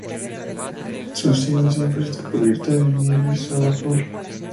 Su cima siempre está cubierta de nieves o vapor.